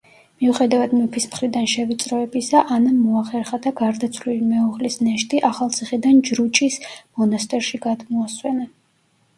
მიუხედავად მეფის მხრიდან შევიწროებისა, ანამ მოახერხა და გარდაცვლილი მეუღლის ნეშტი ახალციხიდან ჯრუჭის მონასტერში გადმოასვენა.